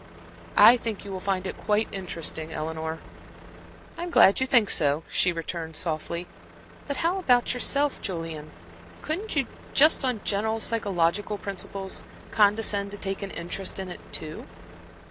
I I think you will find it quite interesting, Eleanor." "I'm glad you think so," she returned, softly. "But how about yourself, Julian? Couldn't you just on general psychological principles condescend to take an interest in it, too?"